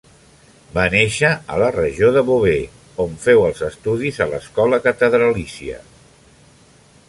Va néixer a la regió de Beauvais, on féu els estudis a l'escola catedralícia.